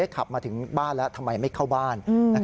ขับมาถึงบ้านแล้วทำไมไม่เข้าบ้าน